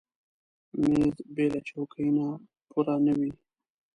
مېز بېله چوکۍ نه پوره نه وي.